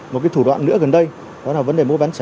một cái thủ đoạn nữa gần đây đó là vấn đề mua bán trẻ